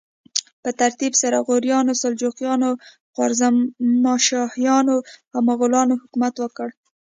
په ترتیب سره غوریانو، سلجوقیانو، خوارزمشاهیانو او مغولانو حکومت وکړ.